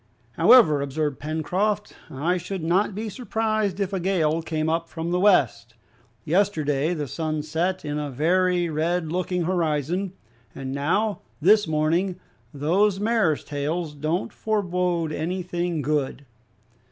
"However," observed Pencroft, "I should not be surprised if a gale came up from the west. Yesterday the sun set in a very red looking horizon, and now, this morning, those mares tails don't forbode anything good."